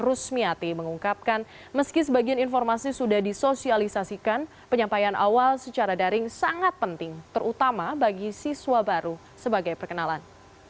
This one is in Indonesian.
rusmiati mengungkapkan meski sebagian informasi sudah disosialisasikan penyampaian awal secara daring sangat penting terutama bagi siswa baru sebagai perkenalan